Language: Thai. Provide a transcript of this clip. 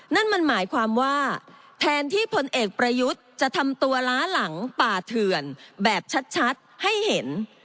นั่นมันหมายความว่าแทนที่พลเอกประยุทธ์จะทำตัวล้าหลังป่าเถื่อนแบบชัดให้เห็น